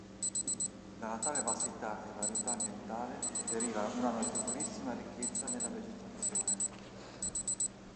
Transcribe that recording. Da una tale vastità e varietà ambientale deriva una notevolissima ricchezza nella vegetazione.